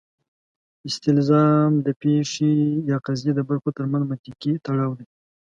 استلزام د پېښې یا قضیې د برخو ترمنځ منطقي تړاو دی.